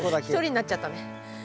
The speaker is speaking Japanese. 一人になっちゃったね。